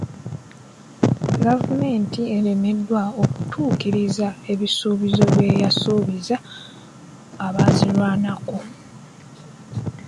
Gavumenti eremereddwa okutuukiriza ebisuubizo bye yasuubiza abaazirwanako.